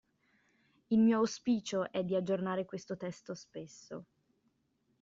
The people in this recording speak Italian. Il mio auspicio è di aggiornare questo testo spesso.